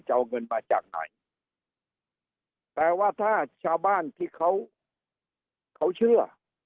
จะเอาเงินมาจากไหนแต่ว่าถ้าชาวบ้านที่เขาเชื่อ